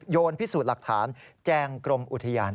โยนพิสูจน์หลักฐานแจ้งกรมอุทยาน